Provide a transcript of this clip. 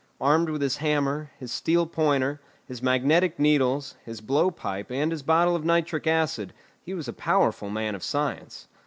Armed with his hammer, his steel pointer, his magnetic needles, his blowpipe, and his bottle of nitric acid, he was a powerful man of science.